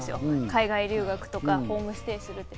海外留学とかホームステイって。